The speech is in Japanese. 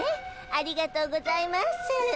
ありがとうございます。